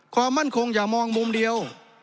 ความมั่นคงอย่ามองมุมเดียว